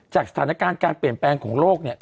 สถานการณ์การเปลี่ยนแปลงของโลกเนี่ย